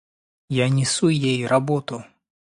Я несу ей работу.